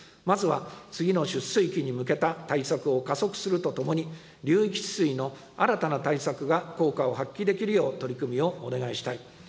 まずは、次の出水期に向けた対策を加速するとともに、流域治水の新たな対策が効果を発揮できるよう取り組みをお願いしたい。